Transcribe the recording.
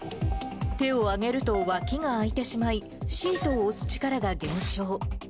手を挙げると、脇があいてしまい、シートを押す力が減少。